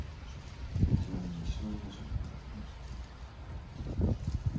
ちなみに気象予報士もそうですね。